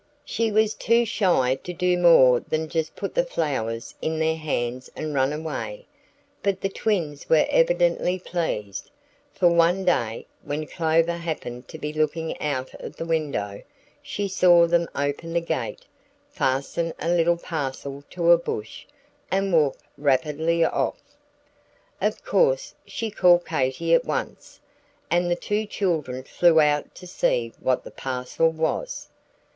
She was too shy to do more than just put the flowers in their hands and run away; but the twins were evidently pleased, for one day, when Clover happened to be looking out of the window, she saw them open the gate, fasten a little parcel to a bush, and walk rapidly off. Of course she called Katy at once, and the two children flew out to see what the parcel was.